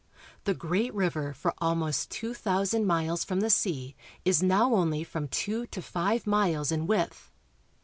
The great river for almost two thousand miles from the sea is now only from two to five miles in width.